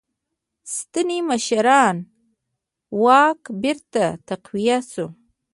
سنتي مشرانو واک بېرته تقویه شو.